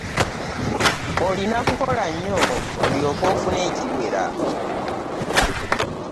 Olina kukola nnyo olyooke ofune ekiwera.